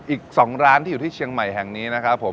อีก๒ร้านที่อยู่ที่เชียงใหม่แห่งนี้นะครับผม